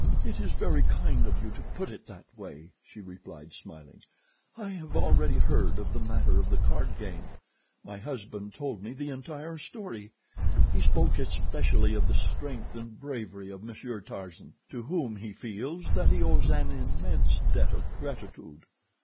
"It is very kind of you to put it that way," she replied, smiling. "I have already heard of the matter of the card game. My husband told me the entire story. He spoke especially of the strength and bravery of Monsieur Tarzan, to whom he feels that he owes an immense debt of gratitude."